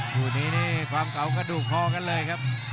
ภูมินี้ความเก๋ากระดูกคอกันเลยครับ